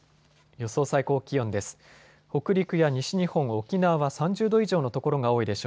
予想最高気温です。